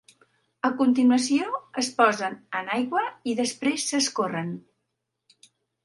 A continuació es posen en aigua i després s'escorren.